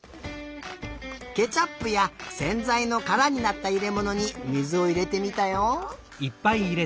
ケチャップやせんざいのからになったいれものに水をいれてみたよ。